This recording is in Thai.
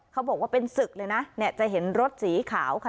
เขาบอกว่าเป็นศึกเลยนะเนี่ยจะเห็นรถสีขาวค่ะ